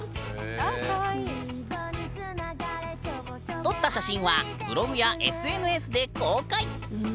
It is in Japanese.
撮った写真はブログやＳＮＳで公開。